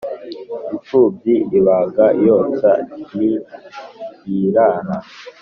Impfubyi ibaga yotsa nti yi rara